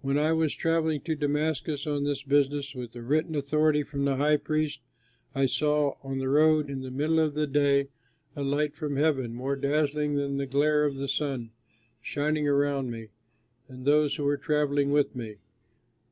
"When I was travelling to Damascus on this business, with written authority from the high priests, I saw, on the road in the middle of the day, a light from heaven, more dazzling than the glare of the sun, shining around me and those who were travelling with me.